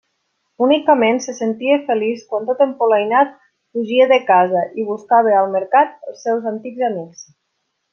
Únicament se sentia feliç quan, tot empolainat, fugia de casa i buscava al Mercat els seus antics amics.